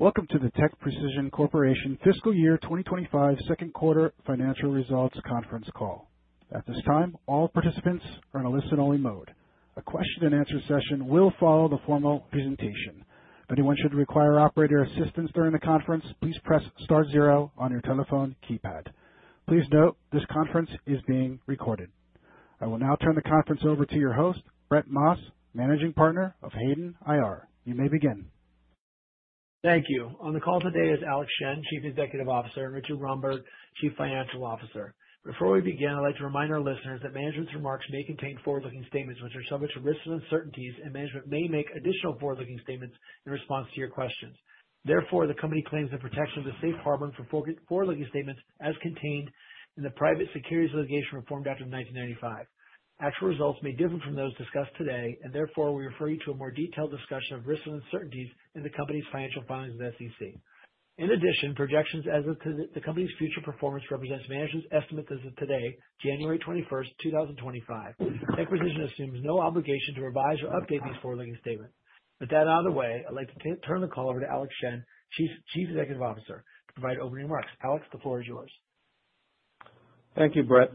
Welcome to the TechPrecision Corporation FY 2025 second quarter financial results conference call. At this time, all participants are in a listen-only mode. A question-and-answer session will follow the formal presentation. If anyone should require operator assistance during the conference, please press star zero on your telephone keypad. Please note this conference is being recorded. I will now turn the conference over to your host, Brett Maas, Managing Partner of Hayden IR. You may begin. Thank you. On the call today is Alex Shen, Chief Executive Officer, and Richard Roomberg, Chief Financial Officer. Before we begin, I'd like to remind our listeners that management's remarks may contain forward-looking statements, which are subject to risks and uncertainties, and management may make additional forward-looking statements in response to your questions. Therefore, the company claims the protection of the safe harbor for forward-looking statements as contained in the Private Securities Litigation Reform Act of 1995. Actual results may differ from those discussed today, and therefore we refer you to a more detailed discussion of risks and uncertainties in the company's filings with the SEC. In addition, projections as to the company's future performance represent management's estimate as of today, January 21st, 2025. TechPrecision assumes no obligation to revise or update these forward-looking statements. With that out of the way, I'd like to turn the call over to Alex Shen, Chief Executive Officer, to provide opening remarks. Alex, the floor is yours. Thank you, Brett.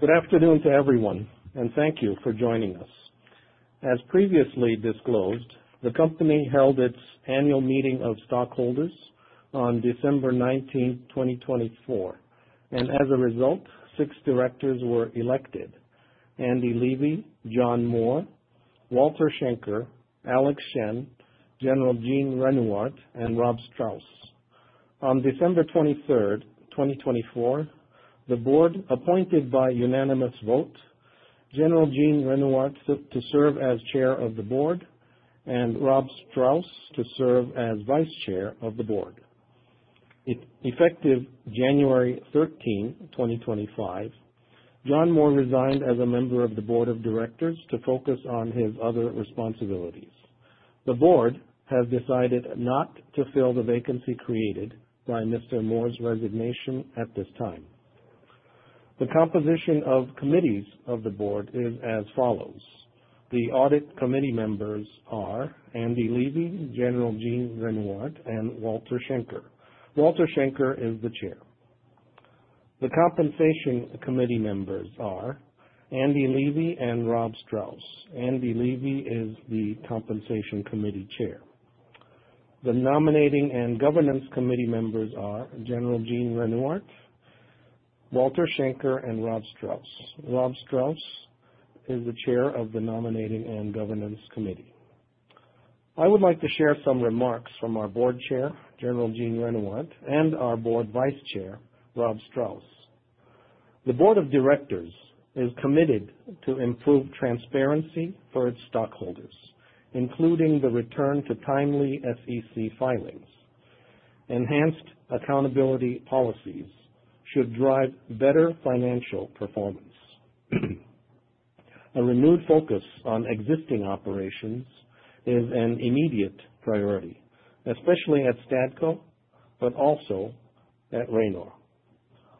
Good afternoon to everyone, and thank you for joining us. As previously disclosed, the company held its annual meeting of stockholders on December 19, 2024, and as a result, six directors were elected: Andy Levy, John Moore, Walter Schenker, Alex Shen, General Gene Renuart, and Rob Strauss. On December 23rd, 2024, the board appointed by unanimous vote General Gene Renuart to serve as Chair of the Board and Rob Strauss to serve as Vice Chair of the Board. Effective January 13, 2025, John Moore resigned as a member of the board of directors to focus on his other responsibilities. The board has decided not to fill the vacancy created by Mr. Moore's resignation at this time. The composition of committees of the board is as follows: The audit committee members are Andy Levy, General Gene Renuart, and Walter Schenker. Walter Schenker is the Chair. The Compensation Committee members are Andy Levy and Rob Strauss. Andy Levy is the Compensation Committee Chair. The Nominating and Governance Committee members are General Gene Renuart, Walter Schenker, and Rob Strauss. Rob Strauss is the Chair of the Nominating and Governance Committee. I would like to share some remarks from our Board Chair, General Gene Renuart, and our Board Vice Chair, Rob Strauss. The Board of Directors is committed to improved transparency for its stockholders, including the return to timely SEC filings. Enhanced accountability policies should drive better financial performance. A renewed focus on existing operations is an immediate priority, especially at Stadco, but also at Ranor.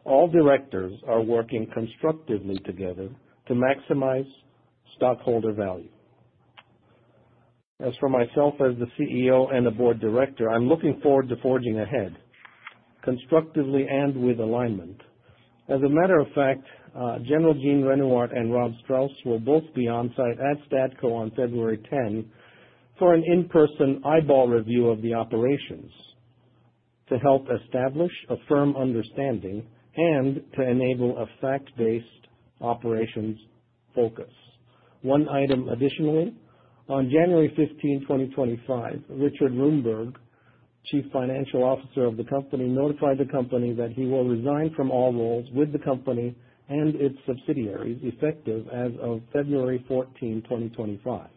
All directors are working constructively together to maximize stockholder value. As for myself as the CEO and the Board Director, I'm looking forward to forging ahead constructively and with alignment. As a matter of fact, General Gene Renuart and Rob Strauss will both be on site at Stadco on February 10 for an in-person eyeball review of the operations to help establish a firm understanding and to enable a fact-based operations focus. One item additionally, on January 15, 2025, Richard Roomberg, Chief Financial Officer of the company, notified the company that he will resign from all roles with the company and its subsidiaries effective as of February 14, 2025.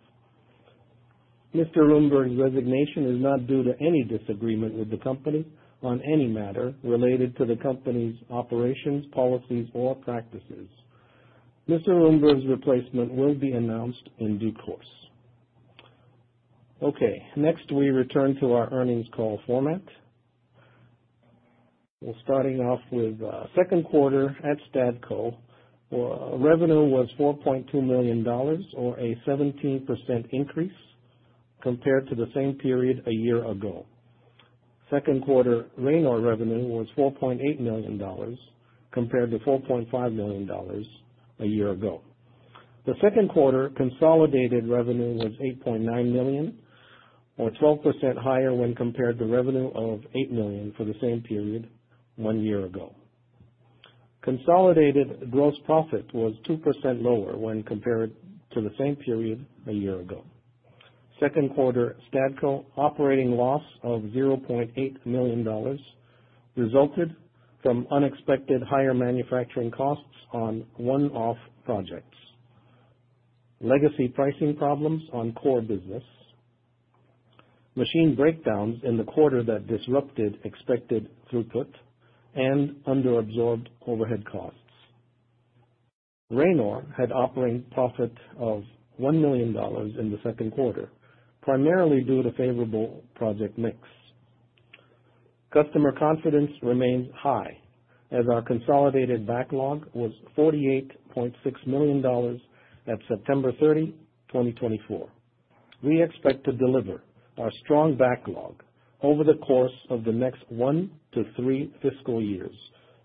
Mr. Roomberg's resignation is not due to any disagreement with the company on any matter related to the company's operations, policies, or practices. Mr. Roomberg's replacement will be announced in due course. Okay, next we return to our earnings call format. We're starting off with second quarter at Stadco. Revenue was $4.2 million, or a 17% increase compared to the same period a year ago. Second quarter Ranor revenue was $4.8 million compared to $4.5 million a year ago. The second quarter consolidated revenue was $8.9 million, or 12% higher when compared to revenue of $8 million for the same period one year ago. Consolidated gross profit was 2% lower when compared to the same period a year ago. Second quarter Stadco operating loss of $0.8 million resulted from unexpected higher manufacturing costs on one-off projects, legacy pricing problems on core business, machine breakdowns in the quarter that disrupted expected throughput, and under-absorbed overhead costs. Ranor had operating profit of $1 million in the second quarter, primarily due to favorable project mix. Customer confidence remains high as our consolidated backlog was $48.6 million at September 30, 2024. We expect to deliver our strong backlog over the course of the next one to three fiscal years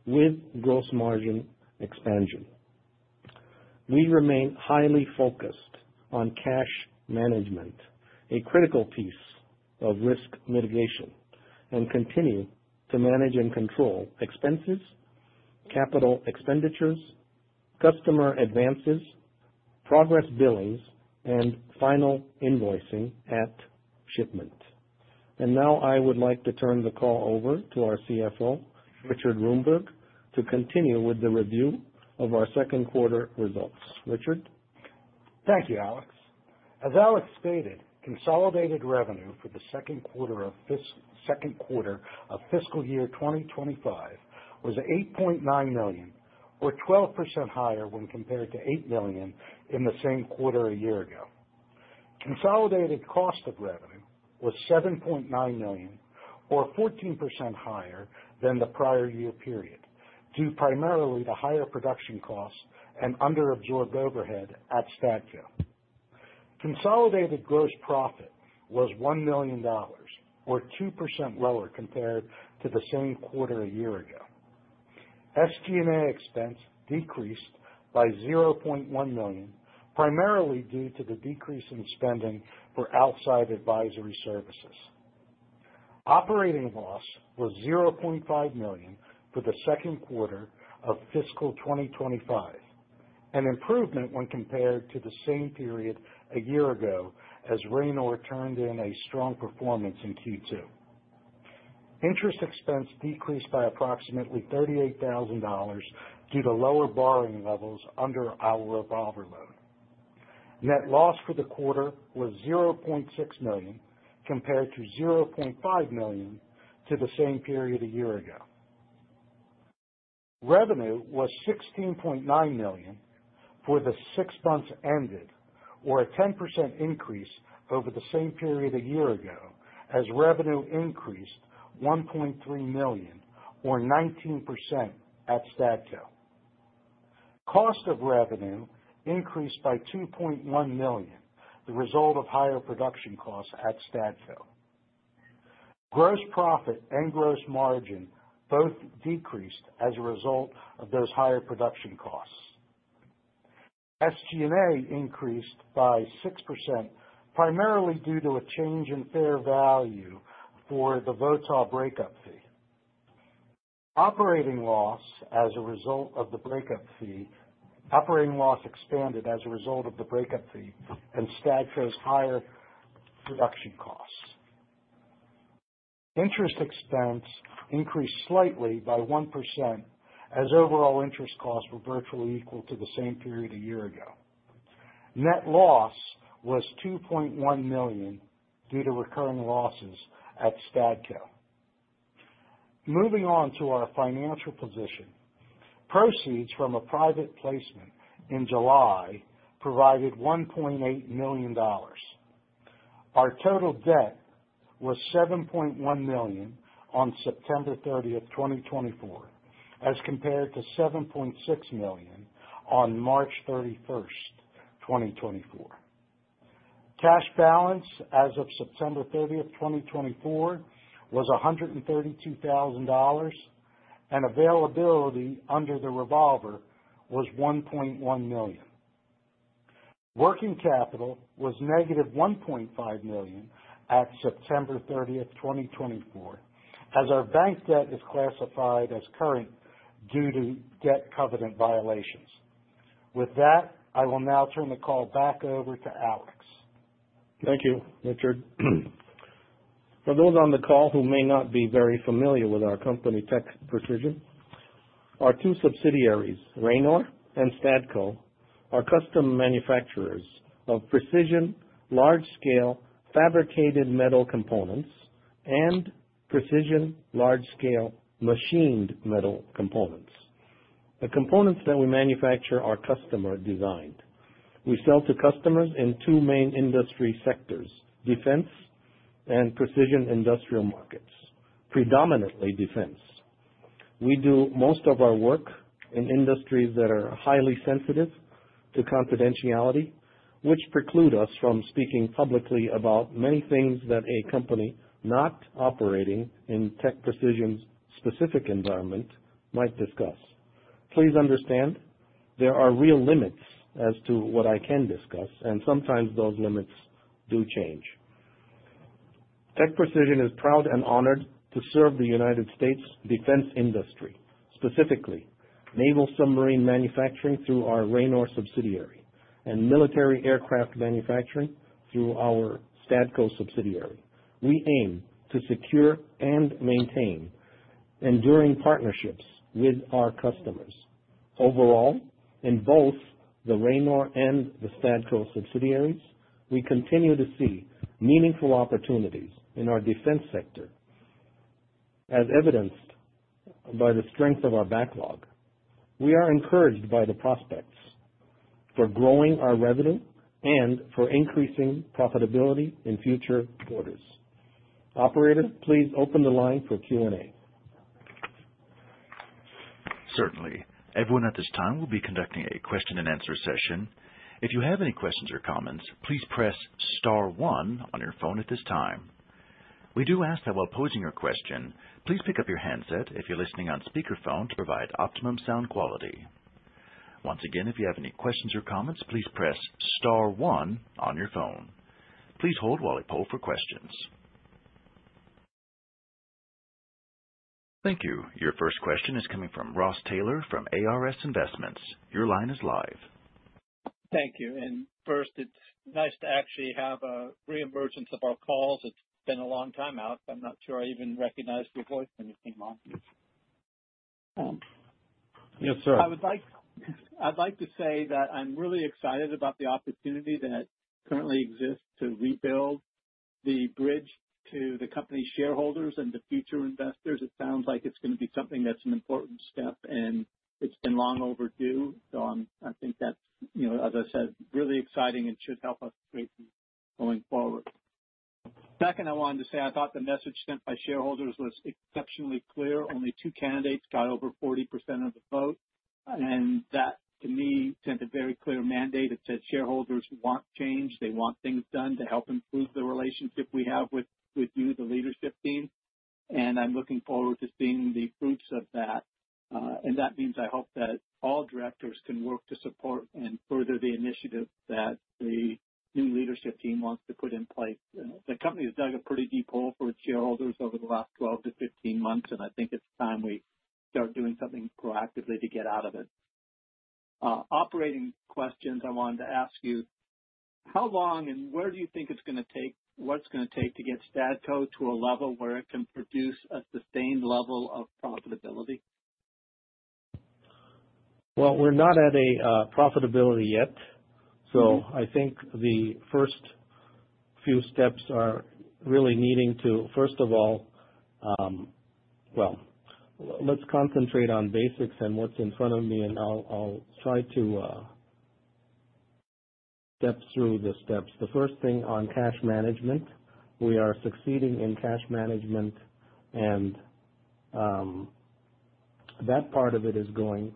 with gross margin expansion. We remain highly focused on cash management, a critical piece of risk mitigation, and continue to manage and control expenses, capital expenditures, customer advances, progress billings, and final invoicing at shipment. And now I would like to turn the call over to our CFO, Richard Roomberg, to continue with the review of our second quarter results. Richard? Thank you, Alex. As Alex stated, consolidated revenue for the second quarter of fiscal year 2025 was $8.9 million, or 12% higher when compared to $8 million in the same quarter a year ago. Consolidated cost of revenue was $7.9 million, or 14% higher than the prior year period due primarily to higher production costs and under-absorbed overhead at Stadco. Consolidated gross profit was $1 million, or 2% lower compared to the same quarter a year ago. SG&A expense decreased by $0.1 million, primarily due to the decrease in spending for outside advisory services. Operating loss was $0.5 million for the second quarter of fiscal 2025, an improvement when compared to the same period a year ago as Ranor turned in a strong performance in Q2. Interest expense decreased by approximately $38,000 due to lower borrowing levels under our revolver loan. Net loss for the quarter was $0.6 million compared to $0.5 million to the same period a year ago. Revenue was $16.9 million for the six months ended, or a 10% increase over the same period a year ago as revenue increased $1.3 million, or 19% at Stadco. Cost of revenue increased by $2.1 million, the result of higher production costs at Stadco. Gross profit and gross margin both decreased as a result of those higher production costs. SG&A increased by 6%, primarily due to a change in fair value for the VOTI breakup fee. Operating loss expanded as a result of the breakup fee and Stadco's higher production costs. Interest expense increased slightly by 1% as overall interest costs were virtually equal to the same period a year ago. Net loss was $2.1 million due to recurring losses at Stadco. Moving on to our financial position, proceeds from a private placement in July provided $1.8 million. Our total debt was $7.1 million on September 30, 2024, as compared to $7.6 million on March 31, 2024. Cash balance as of September 30, 2024, was $132,000, and availability under the revolver was $1.1 million. Working capital was negative $1.5 million at September 30, 2024, as our bank debt is classified as current due to debt covenant violations. With that, I will now turn the call back over to Alex. Thank you, Richard. For those on the call who may not be very familiar with our company, TechPrecision, our two subsidiaries, Ranor and Stadco, are custom manufacturers of precision large-scale fabricated metal components and precision large-scale machined metal components. The components that we manufacture are customer designed. We sell to customers in two main industry sectors: defense and precision industrial markets, predominantly defense. We do most of our work in industries that are highly sensitive to confidentiality, which preclude us from speaking publicly about many things that a company not operating in TechPrecision's specific environment might discuss. Please understand there are real limits as to what I can discuss, and sometimes those limits do change. TechPrecision is proud and honored to serve the United States defense industry, specifically naval submarine manufacturing through our Ranor subsidiary and military aircraft manufacturing through our Stadco subsidiary. We aim to secure and maintain enduring partnerships with our customers. Overall, in both the Ranor and the Stadco subsidiaries, we continue to see meaningful opportunities in our defense sector, as evidenced by the strength of our backlog. We are encouraged by the prospects for growing our revenue and for increasing profitability in future quarters. Operator, please open the line for Q&A. Certainly. Everyone at this time will be conducting a question and answer session. If you have any questions or comments, please press star one on your phone at this time. We do ask that while posing your question, please pick up your handset if you're listening on speakerphone to provide optimum sound quality. Once again, if you have any questions or comments, please press star one on your phone. Please hold while I poll for questions. Thank you. Your first question is coming from Ross Taylor from ARS Investment. Your line is live. Thank you, and first, it's nice to actually have a reemergence of our calls. It's been a long time out. I'm not sure I even recognized your voice when you came on. Yes, sir. I would like to say that I'm really excited about the opportunity that currently exists to rebuild the bridge to the company's shareholders and the future investors. It sounds like it's going to be something that's an important step, and it's been long overdue. So I think that's, as I said, really exciting and should help us greatly going forward. Second, I wanted to say I thought the message sent by shareholders was exceptionally clear. Only two candidates got over 40% of the vote. And that, to me, sent a very clear mandate. It said shareholders want change. They want things done to help improve the relationship we have with you, the leadership team. And I'm looking forward to seeing the fruits of that. And that means I hope that all directors can work to support and further the initiative that the new leadership team wants to put in place. The company has dug a pretty deep hole for its shareholders over the last 12 to 15 months, and I think it's time we start doing something proactively to get out of it. Operating questions, I wanted to ask you, how long and where do you think it's going to take, what's going to take to get Stadco to a level where it can produce a sustained level of profitability? We're not at a profitability yet. So I think the first few steps are really needing to, first of all, well, let's concentrate on basics and what's in front of me, and I'll try to step through the steps. The first thing on cash management, we are succeeding in cash management, and that part of it is going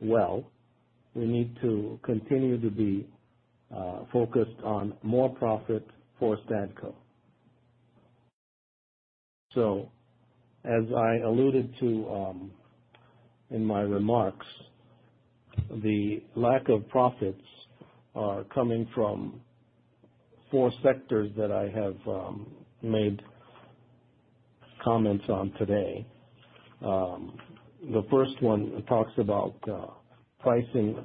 well. We need to continue to be focused on more profit for Stadco. So as I alluded to in my remarks, the lack of profits are coming from four sectors that I have made comments on today. The first one talks about pricing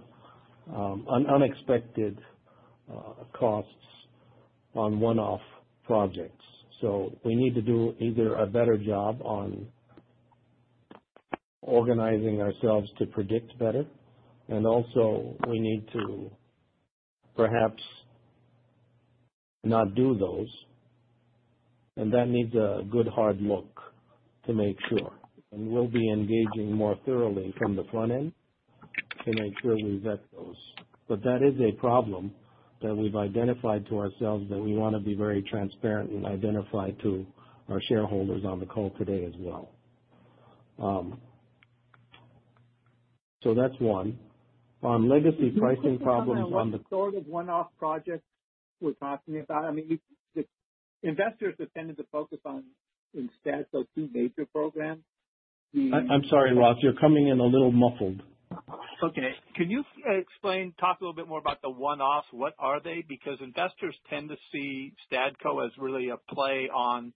unexpected costs on one-off projects. So we need to do either a better job on organizing ourselves to predict better, and also we need to perhaps not do those. And that needs a good hard look to make sure. And we'll be engaging more thoroughly from the front end to make sure we vet those. But that is a problem that we've identified to ourselves that we want to be very transparent and identify to our shareholders on the call today as well. So that's one. On legacy pricing problems on the. Sort of one-off projects we're talking about. I mean, investors have tended to focus on, in Stadco, two major programs. I'm sorry, Ross. You're coming in a little muffled. Okay. Can you explain, talk a little bit more about the one-offs? What are they? Because investors tend to see Stadco as really a play on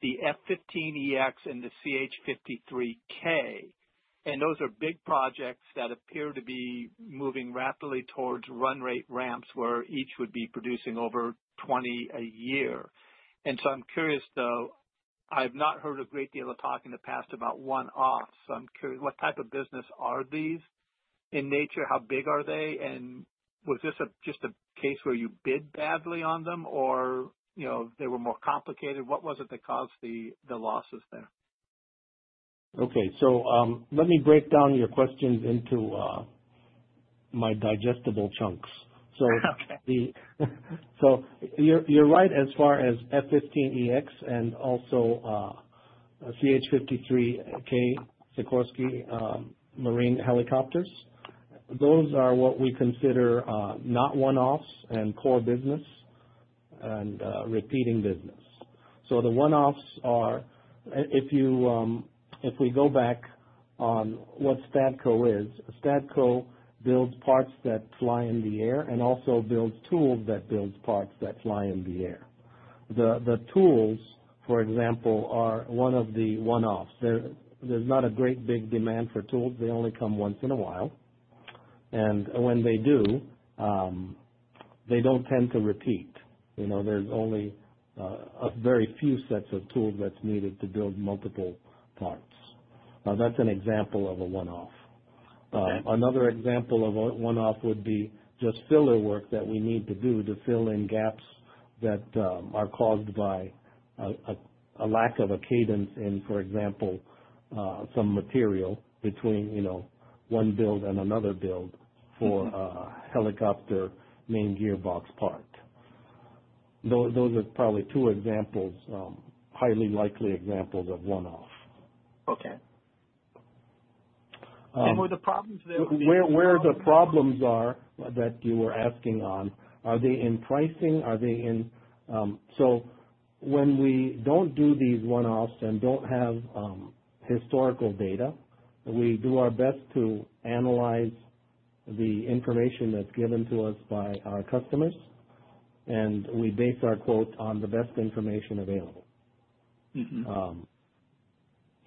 the F-15EX and the CH-53K. And those are big projects that appear to be moving rapidly towards run rate ramps where each would be producing over 20 a year. And so I'm curious, though, I have not heard a great deal of talk in the past about one-offs. So I'm curious, what type of business are these in nature? How big are they? And was this just a case where you bid badly on them, or they were more complicated? What was it that caused the losses there? Okay, so let me break down your questions into my digestible chunks. You're right as far as F-15EX and also CH-53K, Sikorsky Marine Helicopters. Those are what we consider not one-offs and core business and repeating business. The one-offs are, if we go back on what Stadco is, Stadco builds parts that fly in the air and also builds tools that build parts that fly in the air. The tools, for example, are one of the one-offs. There's not a great big demand for tools. They only come once in a while. And when they do, they don't tend to repeat. There's only a very few sets of tools that's needed to build multiple parts. Now, that's an example of a one-off. Another example of a one-off would be just filler work that we need to do to fill in gaps that are caused by a lack of a cadence in, for example, some material between one build and another build for a helicopter main gearbox part. Those are probably two examples, highly likely examples of one-offs. Okay. And were the problems there? Where the problems are that you were asking on, are they in pricing? Are they in? So when we don't do these one-offs and don't have historical data, we do our best to analyze the information that's given to us by our customers, and we base our quote on the best information available.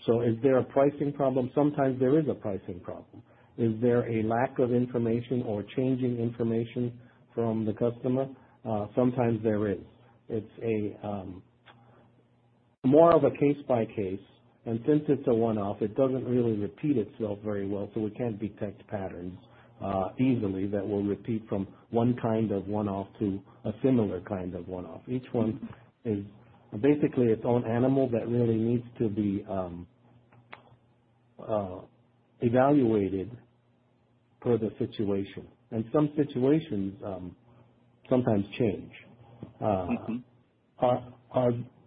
So is there a pricing problem? Sometimes there is a pricing problem. Is there a lack of information or changing information from the customer? Sometimes there is. It's more of a case-by-case. And since it's a one-off, it doesn't really repeat itself very well, so we can't detect patterns easily that will repeat from one kind of one-off to a similar kind of one-off. Each one is basically its own animal that really needs to be evaluated per the situation. And some situations sometimes change.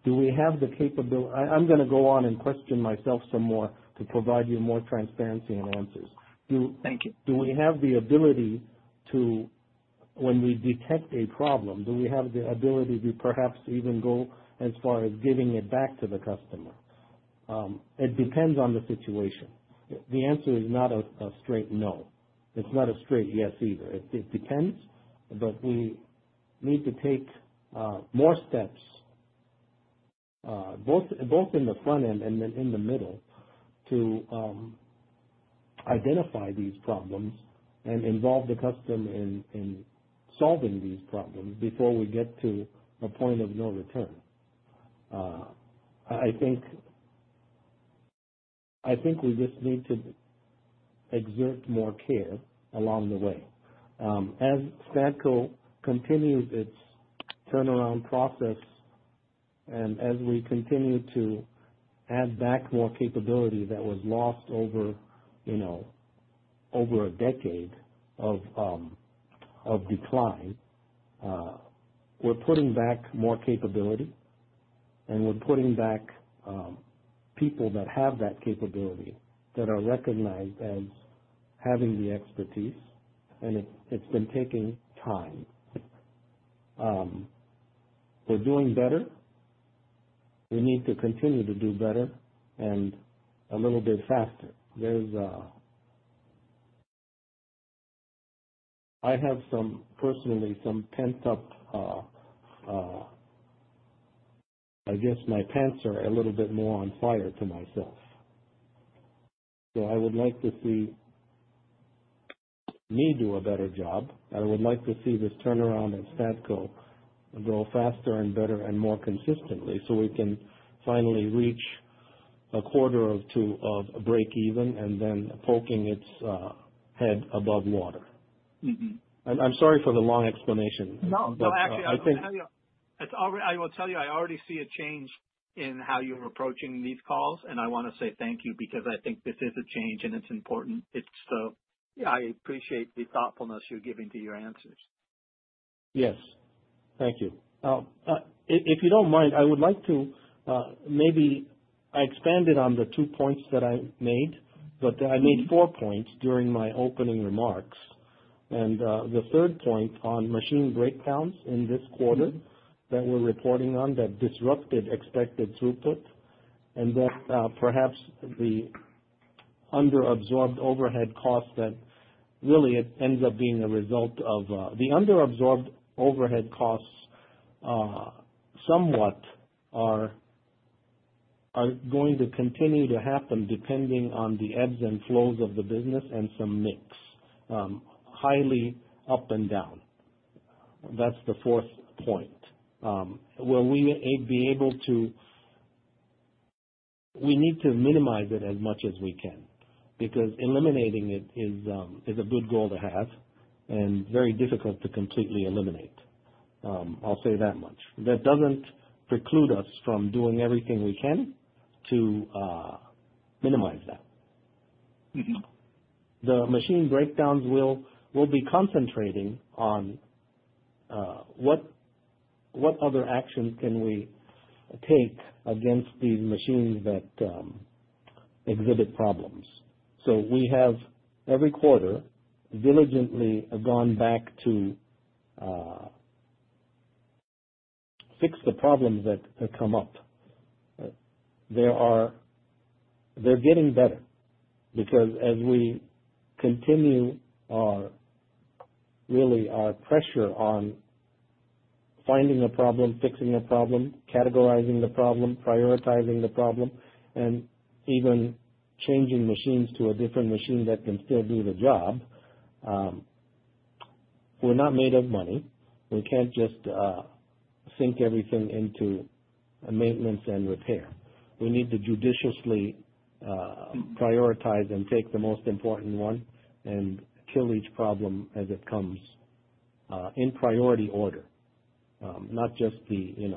Do we have the capability? I'm going to go on and question myself some more to provide you more transparency and answers. Thank you. Do we have the ability to, when we detect a problem, do we have the ability to perhaps even go as far as giving it back to the customer? It depends on the situation. The answer is not a straight no. It's not a straight yes either. It depends, but we need to take more steps, both in the front end and then in the middle, to identify these problems and involve the customer in solving these problems before we get to a point of no return. I think we just need to exert more care along the way. As Stadco continues its turnaround process and as we continue to add back more capability that was lost over a decade of decline, we're putting back more capability, and we're putting back people that have that capability that are recognized as having the expertise. And it's been taking time. We're doing better. We need to continue to do better and a little bit faster. I have personally some pent-up, I guess my pants are a little bit more on fire to myself. So I would like to see me do a better job. I would like to see this turnaround at Stadco go faster and better and more consistently so we can finally reach a quarter of break even and then poking its head above water. I'm sorry for the long explanation. No, no, actually, I will tell you, I will tell you, I already see a change in how you're approaching these calls, and I want to say thank you because I think this is a change and it's important. So I appreciate the thoughtfulness you're giving to your answers. Yes. Thank you. If you don't mind, I would like to maybe expand on the two points that I made, but I made four points during my opening remarks. The third point on machine breakdowns in this quarter that we're reporting on that disrupted expected throughput, and then perhaps the under-absorbed overhead costs that really ends up being a result of the under-absorbed overhead costs somewhat are going to continue to happen depending on the ebbs and flows of the business and some mix highly up and down. That's the fourth point. Will we be able to? We need to minimize it as much as we can because eliminating it is a good goal to have and very difficult to completely eliminate. I'll say that much. That doesn't preclude us from doing everything we can to minimize that. The machine breakdowns will be concentrating on what other actions can we take against these machines that exhibit problems. So we have, every quarter, diligently gone back to fix the problems that come up. They're getting better because as we continue really our pressure on finding a problem, fixing a problem, categorizing the problem, prioritizing the problem, and even changing machines to a different machine that can still do the job, we're not made of money. We can't just sink everything into maintenance and repair. We need to judiciously prioritize and take the most important one and kill each problem as it comes in priority order, not just the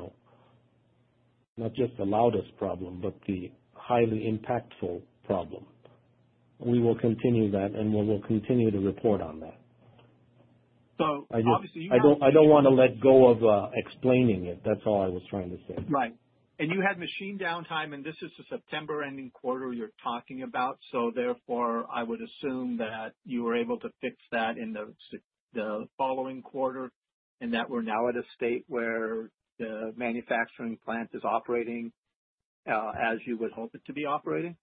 loudest problem, but the highly impactful problem. We will continue that, and we will continue to report on that. I don't want to let go of explaining it. That's all I was trying to say. Right. And you had machine downtime, and this is the September ending quarter you're talking about. So therefore, I would assume that you were able to fix that in the following quarter and that we're now at a state where the manufacturing plant is operating as you would hope it to be operating?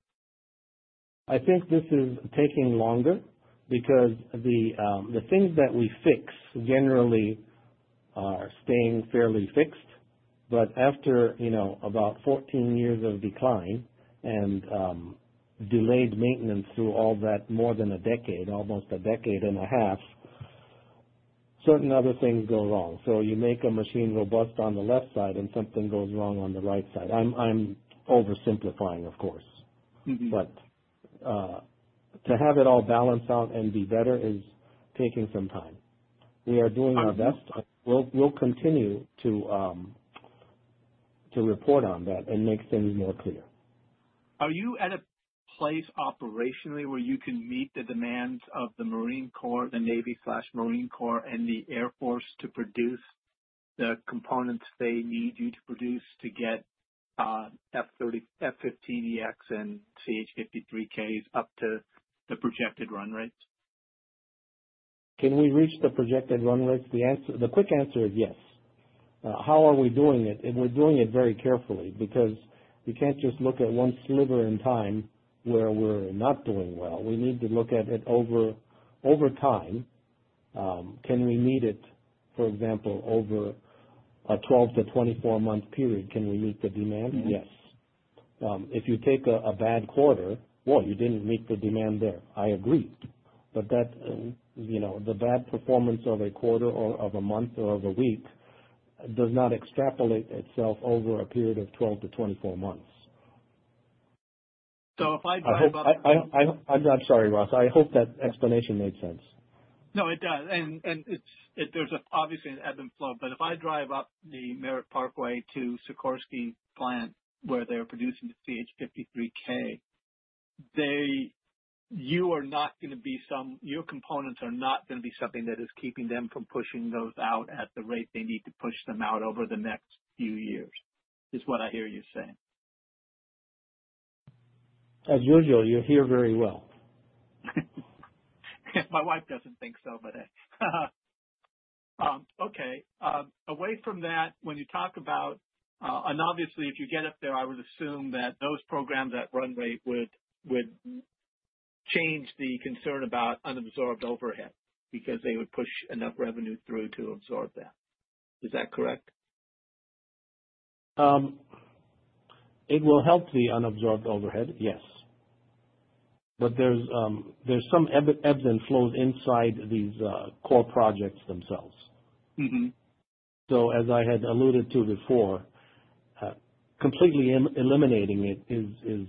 I think this is taking longer because the things that we fix generally are staying fairly fixed. But after about 14 years of decline and delayed maintenance through all that, more than a decade, almost a decade and a half, certain other things go wrong. So you make a machine robust on the left side and something goes wrong on the right side. I'm oversimplifying, of course. But to have it all balance out and be better is taking some time. We are doing our best. We'll continue to report on that and make things more clear. Are you at a place operationally where you can meet the demands of the Navy/Marine Corps and the Air Force to produce the components they need you to produce to get F-15EX and CH-53Ks up to the projected run rates? Can we reach the projected run rates? The quick answer is yes. How are we doing it? We're doing it very carefully because we can't just look at one sliver in time where we're not doing well. We need to look at it over time. Can we meet it, for example, over a 12 to 24-month period? Can we meet the demand? Yes. If you take a bad quarter, well, you didn't meet the demand there. I agree. But the bad performance of a quarter or of a month or of a week does not extrapolate itself over a period of 12 to 24 months. If I drive up. I'm sorry, Ross. I hope that explanation made sense. No, it does, and there's obviously an ebb and flow. But if I drive up the Merritt Parkway to Sikorsky plant where they're producing the CH-53K, your components are not going to be something that is keeping them from pushing those out at the rate they need to push them out over the next few years, is what I hear you saying. As usual, you hear very well. My wife doesn't think so, but okay. Away from that, when you talk about and obviously, if you get up there, I would assume that those programs at run rate would change the concern about unabsorbed overhead because they would push enough revenue through to absorb that. Is that correct? It will help the unabsorbed overhead, yes. But there's some ebbs and flows inside these core projects themselves. So as I had alluded to before, completely eliminating it is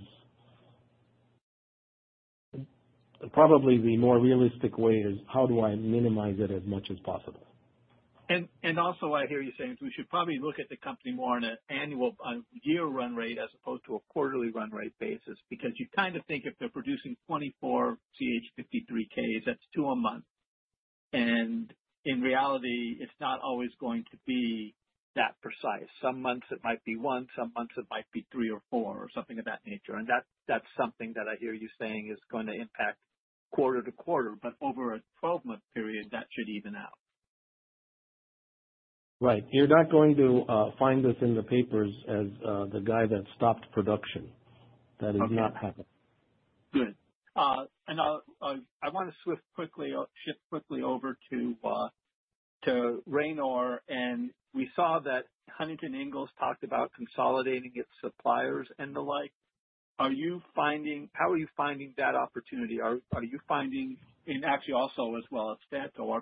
probably the more realistic way is, how do I minimize it as much as possible? And also, I hear you saying we should probably look at the company more on a year run rate as opposed to a quarterly run rate basis because you kind of think if they're producing 24 CH-53Ks, that's two a month. And in reality, it's not always going to be that precise. Some months, it might be one. Some months, it might be three or four or something of that nature. And that's something that I hear you saying is going to impact quarter to quarter. But over a 12-month period, that should even out. Right. You're not going to find this in the papers as the guy that stopped production. That is not happening. Good. And I want to shift quickly over to Ranor. And we saw that Huntington Ingalls talked about consolidating its suppliers and the like. How are you finding that opportunity? Are you finding, and actually, also as well as Stadco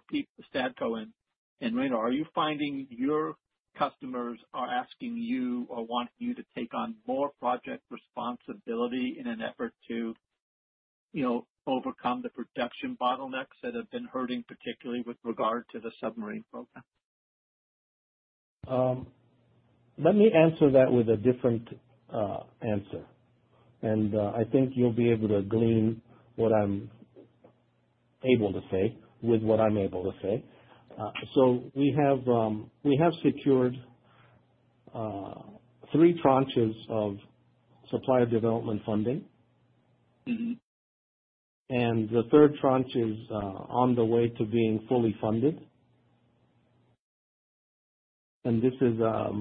and Ranor, are you finding your customers are asking you or wanting you to take on more project responsibility in an effort to overcome the production bottlenecks that have been hurting, particularly with regard to the submarine program? Let me answer that with a different answer. I think you'll be able to glean what I'm able to say with what I'm able to say. We have secured three tranches of supplier development funding. The third tranche is on the way to being fully funded. This is a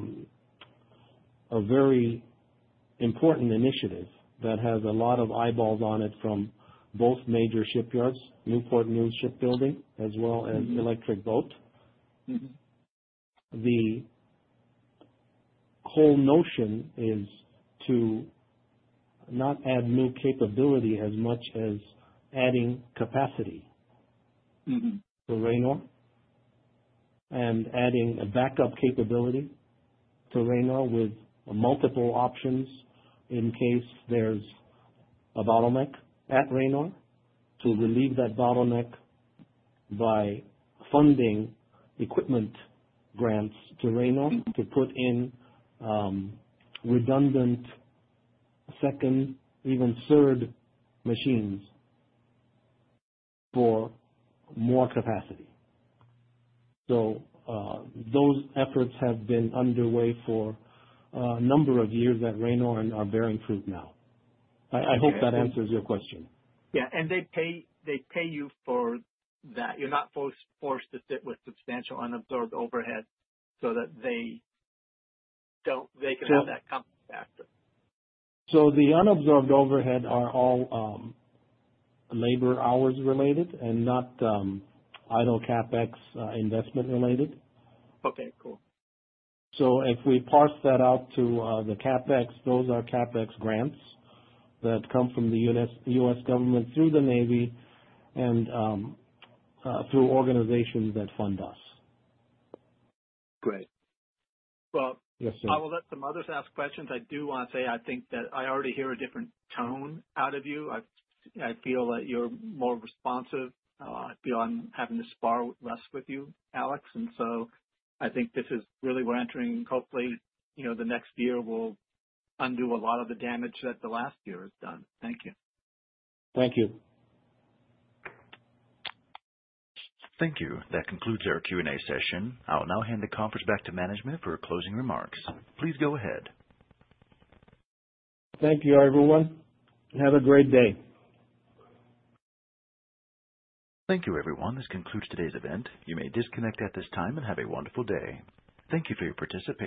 very important initiative that has a lot of eyeballs on it from both major shipyards, Newport News Shipbuilding, as well as Electric Boat. The whole notion is to not add new capability as much as adding capacity to Ranor and adding a backup capability to Ranor with multiple options in case there's a bottleneck at Ranor to relieve that bottleneck by funding equipment grants to Ranor to put in redundant second, even third machines for more capacity. Those efforts have been underway for a number of years at Ranor and are bearing fruit now. I hope that answers your question. Yeah. And they pay you for that. You're not forced to sit with substantial under-absorbed overhead so that they can have that compact factor. So the under-absorbed overhead are all labor hours related and not idle CapEx investment related. Okay. Cool. So if we parse that out to the CapEx, those are CapEx grants that come from the U.S. government through the Navy and through organizations that fund us. Great. Well. Yes, sir. I will let some others ask questions. I do want to say I think that I already hear a different tone out of you. I feel that you're more responsive. I feel I'm having to spar less with you, Alex, and so I think this is really, we're entering, hopefully, the next year will undo a lot of the damage that the last year has done. Thank you. Thank you. Thank you. That concludes our Q&A session. I'll now hand the conference back to management for closing remarks. Please go ahead. Thank you, everyone. Have a great day. Thank you, everyone. This concludes today's event. You may disconnect at this time and have a wonderful day. Thank you for your participation.